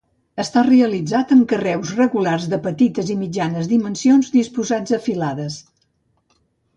Està realitzat amb carreus regulars de petites i mitjanes dimensions disposats a filades.